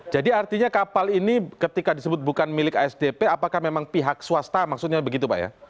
jadi artinya kapal ini ketika disebut bukan milik sdp apakah memang pihak swasta maksudnya begitu pak ya